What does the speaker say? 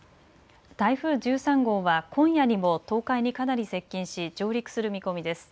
台風１３号は今夜にも東海にかなり接近し上陸する見込みです。